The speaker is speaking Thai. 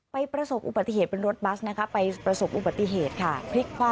ประสบอุบัติเหตุเป็นรถบัสนะคะไปประสบอุบัติเหตุค่ะ